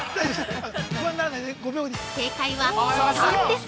◆正解は３です。